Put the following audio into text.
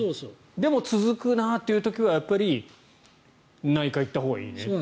でも続くなという時はやっぱり内科に行ったほうがいいねという。